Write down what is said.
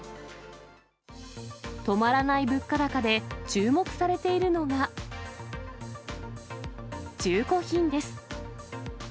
止まらない物価高で注目されているのが、中古品です。